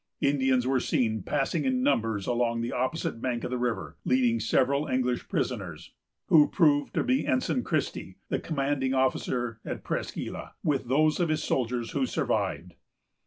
Indians were seen passing in numbers along the opposite bank of the river, leading several English prisoners, who proved to be Ensign Christie, the commanding officer at Presqu' Isle, with those of his soldiers who survived.